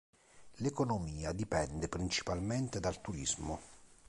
L'economia dipende principalmente dal turismo.